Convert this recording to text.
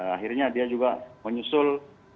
akhirnya dia juga menyusul